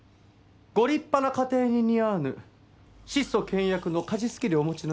ご立派な家庭に似合わぬ質素倹約の家事スキルをお持ちのようで。